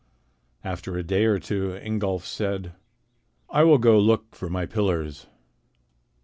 After a day or two Ingolf said: "I will go look for my pillars."